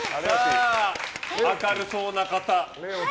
明るそうな方。